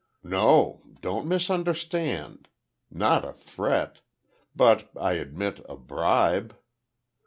"No; don't misunderstand. Not a threat. But I admit, a bribe.